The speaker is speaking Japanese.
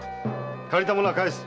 借りたものは返す。